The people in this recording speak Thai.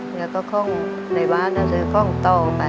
แล้วก็คล่องไหนวะเนี่ยคล่องต่อออกไป